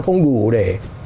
không đủ để